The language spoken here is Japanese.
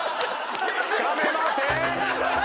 つかめません！